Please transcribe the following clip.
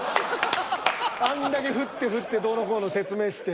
あんだけ振って振ってどうのこうの説明して。